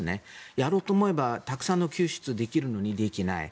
やろうと思えばたくさんの救出ができるのにできない。